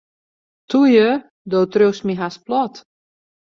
Toe ju, do triuwst my hast plat.